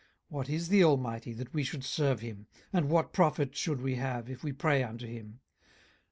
18:021:015 What is the Almighty, that we should serve him? and what profit should we have, if we pray unto him?